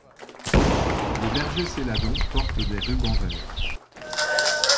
Le berger Céladon porte des rubans verts.